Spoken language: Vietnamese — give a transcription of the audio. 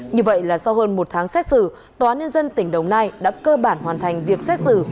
như vậy là sau hơn một tháng xét xử tòa án nhân dân tỉnh đồng nai đã cơ bản hoàn thành việc xét xử